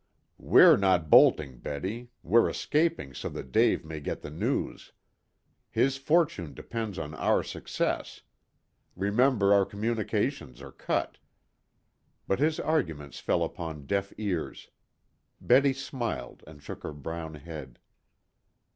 "We're not 'bolting' Betty, we're escaping so that Dave may get the news. His fortune depends on our success. Remember our communications are cut." But his arguments fell upon deaf ears. Betty smiled and shook her brown head.